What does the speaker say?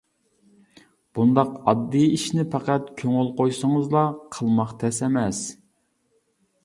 بۇنداق ئاددىي ئىشنى پەقەت كۆڭۈل قويسىڭىزلا قىلماق تەس ئەمەس.